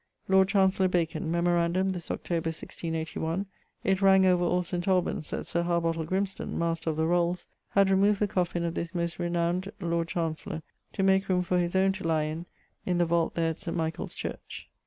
Lord Chancellor Bacon: Memorandum, this Oct. 1681, it rang over all St. Albans that Sir Harbottle Grimston, Master of the Rolles, had removed the coffin of this most renowned Lord Chancellour to make roome for his owne to lye in in the vault there at St. Michael's church.